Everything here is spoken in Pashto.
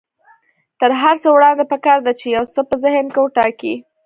تر هر څه وړاندې پکار ده چې يو څه په ذهن کې وټاکئ.